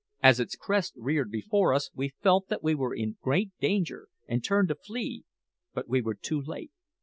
As its crest reared before us we felt that we were in great danger, and turned to flee; but we were too late.